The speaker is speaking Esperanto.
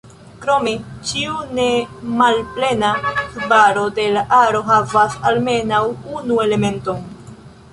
Krome, ĉiu ne malplena subaro de la aro havas almenaŭ unu elementon.